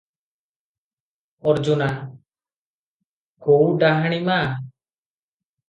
ଅର୍ଜୁନା - କୋଉଁ ଡାହାଣୀ ମା?